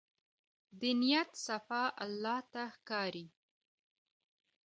د نیت صفا الله ته ښکاري.